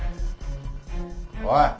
おい！